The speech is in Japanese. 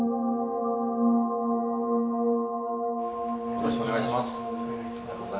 よろしくお願いします。